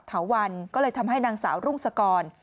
ถาวันก็เลยทำให้นางสาวรุ่งสกร